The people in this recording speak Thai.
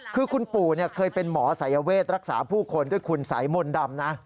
คือคนปู่เคยเป็นหมอสายเวชรักษาผู้คลก็คุณไสมนดำ